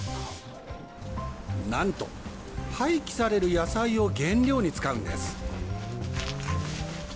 なんと、廃棄される野菜を原料に使うんです。